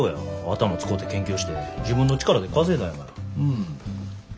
頭使うて研究して自分の力で稼いだんやから。